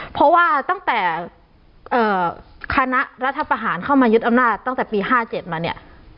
เพราะว่าตั้งแต่คณะรัฐประหารเข้ามายึดอำนาจตั้งแต่ปี๕๗มาเนี่ย